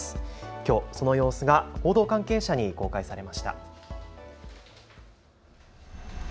きょうその様子が報道関係者に公開されました。